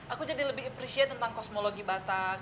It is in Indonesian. aku jadi lebih appreciate tentang kosmologi batak